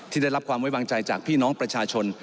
ได้รับความไว้วางใจจากพี่น้องประชาชน